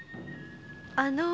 あの。